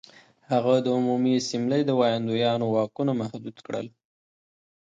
هغه د عمومي اسامبلې د ویاندویانو واکونه محدود کړل